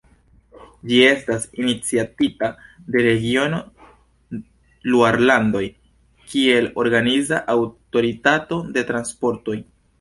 Ĝi estas iniciatita de regiono Luarlandoj kiel organiza aŭtoritato de transportoj.